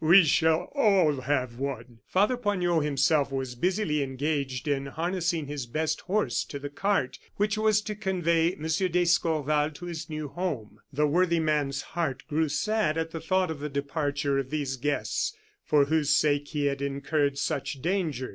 "We shall all have one." Father Poignot himself was busily engaged in harnessing his best horse to the cart which was to convey M. d'Escorval to his new home. The worthy man's heart grew sad at the thought of the departure of these guests, for whose sake he had incurred such danger.